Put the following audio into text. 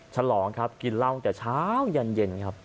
ฉลองครับกินเหล้าตั้งแต่เช้ายันเย็นครับ